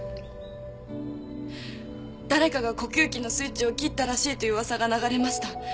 誰かが呼吸器のスイッチを切ったらしいという噂が流れました。